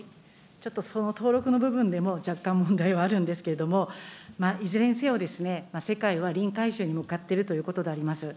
ちょっとその登録の部分でも若干、問題はあるんですけれども、いずれにせよですね、世界はリン回収に向かってるということであります。